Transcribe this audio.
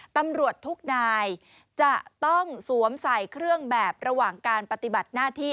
ตำรวจทุกนายจะต้องสวมใส่เครื่องแบบระหว่างการปฏิบัติหน้าที่